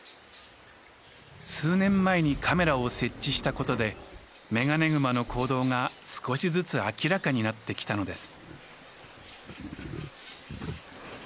数年前にカメラを設置したことでメガネグマの行動が少しずつ明らかになってきたのです。